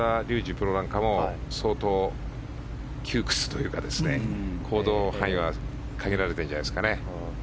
プロなども相当、窮屈というか行動範囲は限られてるんじゃないですかね。